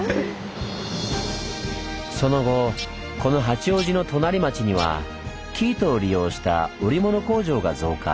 その後この八王子のとなり町には生糸を利用した織物工場が増加。